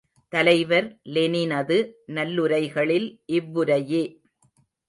தலைவர் லெனினது நல்லுரைகளில், இவ்வுரையே.